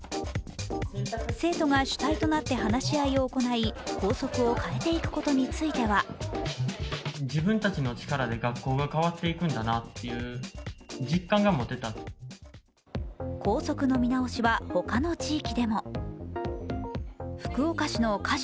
生徒が主体となって話し合いを行い校則を変えていくことについては校則の見直しは他の地域でも福岡市の香椎